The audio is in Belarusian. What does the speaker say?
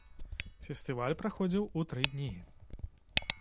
Фестываль праходзіў у тры дні.